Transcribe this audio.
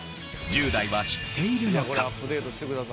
１０代は知っているのか？